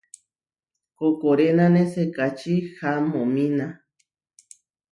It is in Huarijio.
Koʼkorénane sekačí hamomína.